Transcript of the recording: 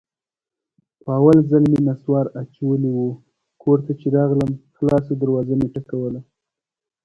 په اول ځل مې نصوار اچولي وو، کور ته چې راغلم خلاصه دروازه مې ټکوله.